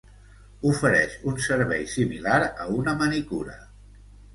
Ofereix un servei similar a una manicura.